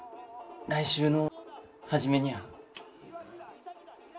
来週の初めにゃあ。